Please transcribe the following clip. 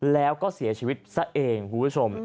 แล้วก็เสียชีวิตซะเองคุณผู้ชม